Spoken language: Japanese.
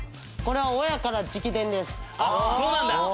そうなんだ。